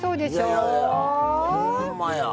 いやいやいやほんまや。